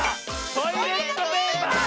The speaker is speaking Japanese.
「トイレットペーパー」！